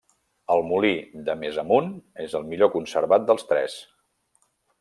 El Molí de Més Amunt és el millor conservat dels tres.